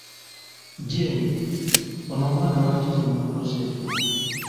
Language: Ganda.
Jeeni, ono omwana lwaki temumukozeeko?